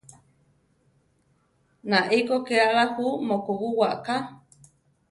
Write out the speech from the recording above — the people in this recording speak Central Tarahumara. Nai kó ké ala jú mokobúwa aká.